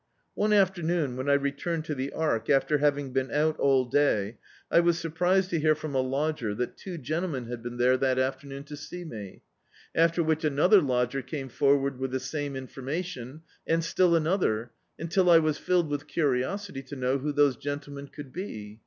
One afternoon, when I returned to the Ark, after having been out all day, I was surprised to hear from a lodger that two gentlemen had been there Dictzed by Google The Ark that afteraocHi to see me. After which another lodger came forward with the same information, and still another, until I was filled with curiosity to know who those gentlemen could be.